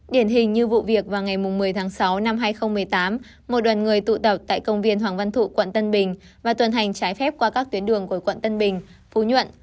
điển hình như vụ việc vào ngày một mươi tháng sáu năm hai nghìn một mươi tám một đoàn người tụ tập tại công viên hoàng văn thụ quận tân bình và tuần hành trái phép qua các tuyến đường của quận tân bình phú nhuận